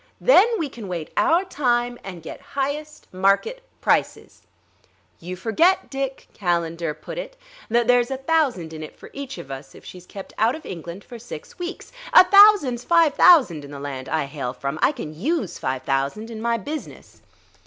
Then we can wait our time and get highest market prices " "You forget, Dick," Calendar put it, "that there's a thousand in it for each of us if she's kept out of England for six weeks. A thousand's five thousand in the land I hail from; I can use five thousand in my business."